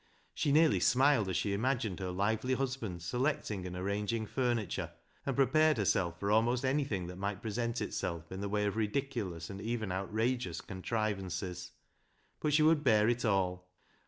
She nearly smiled as she imagined her lively husband selecting and arranging furniture, and prepared herself for almost anything that might present itself in the way of ridiculous and even out rageous contrivances. But she would bear it all.